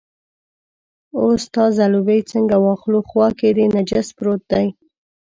اوس ستا ځلوبۍ څنګه واخلو، خوا کې دې نجس پروت دی.